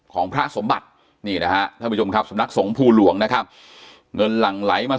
ของพระสมบัตินี่นะครับสมนักสงภูหลวงนะครับเงินหลั่งไหลมา